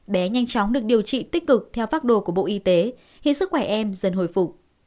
bé nhanh chóng được điều trị tích cực theo pháp đồ của bộ y tế hiến sức khỏe em dần hồi phụ